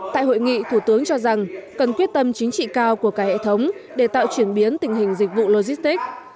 tại hội nghị thủ tướng cho rằng cần quyết tâm chính trị cao của cả hệ thống để tạo chuyển biến tình hình dịch vụ logistics